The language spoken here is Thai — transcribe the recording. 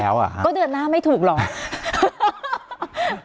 แล้วก็เดือนหน้าไม่ถูกหรอก